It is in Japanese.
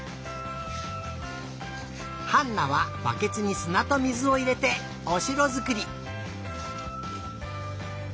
ハンナはバケツにすなと水をいれておしろづくり。